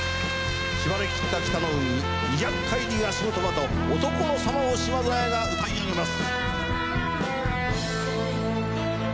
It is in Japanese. しばれきった北の海に２００海里が仕事場と男のさまを島津亜矢が歌い上げます。